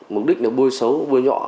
mục đích là bôi xấu bôi nhọ